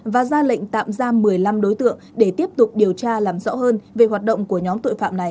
và ra lệnh tạm giam một mươi năm đối tượng để tiếp tục điều tra làm rõ hơn về hoạt động của nhóm tội phạm này